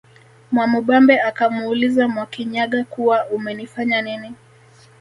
Mwamubambe akamuuliza Mwakinyaga kuwa umenifanya nini